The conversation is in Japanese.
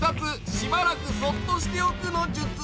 しばらくそっとしておくのじゅつ！